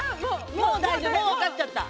もう分かっちゃった。